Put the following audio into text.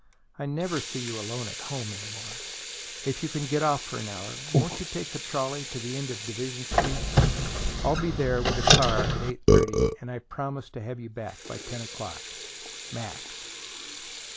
I never see you alone at home any more. If you can get off for an hour, won't you take the trolley to the end of Division Street? I'll be there with the car at eight thirty, and I promise to have you back by ten o'clock. MAX.